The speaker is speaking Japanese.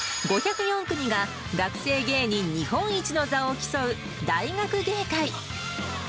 ５０４組が学生芸人日本一の座を競う、大学芸会。